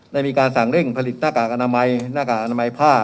ได้มีการสั่งเร่งผลิตหน้ากากอนามัยหน้ากากอนามัยผ้า